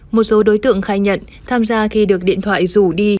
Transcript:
một số đối tượng khai nhận tham gia khi được điện thoại rủ đi